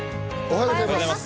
おはようございます。